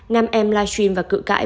nam em livestream và cự cãi